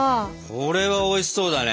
これはおいしそうだね。